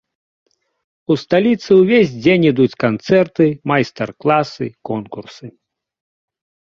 У сталіцы ўвесь дзень ідуць канцэрты, майстар-класы, конкурсы.